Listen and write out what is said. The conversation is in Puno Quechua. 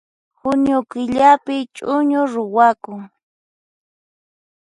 Junio killapi ch'uñu ruwakun